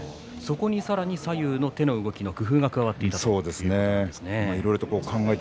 そこに、さらに左右の手の動きの工夫が加わっていたんですね。